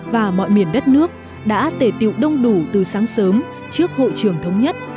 và mọi miền đất nước đã tể tiệu đông đủ từ sáng sớm trước hội trường thống nhất